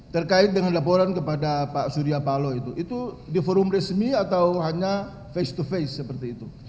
terkait dengan laporan kepada pak surya paloh itu di forum resmi atau hanya face to face seperti itu